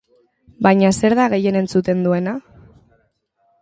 Baina zer da gehien entzuten duena?